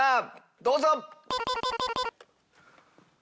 どうぞ！